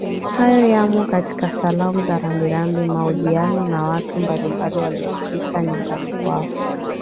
Hayo yamo katika salamu za rambirambi mahojiano na watu mbalimbali waliofika nyumbani kwao